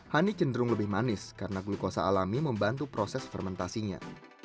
honey cenderung lebih manis karena glukosa alami membantu proses fermentasinya